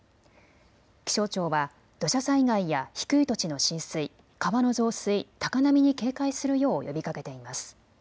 気象庁は土砂災害や低い土地の浸水、川の増水、高波に警戒するよう呼びかけています。